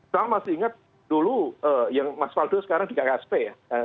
saya masih ingat dulu yang mas waldo sekarang di kksp ya